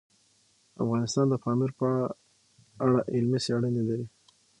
افغانستان د پامیر په اړه علمي څېړنې لري.